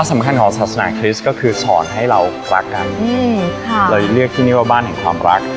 สำคัญของศาสนาคริสต์ก็คือสอนให้เรารักกันอืมค่ะเราเลือกที่นี่ว่าบ้านแห่งความรัก